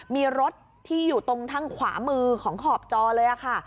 มีรถที่อยู่ตรงทางขวามือของขอบจอเลยค่ะ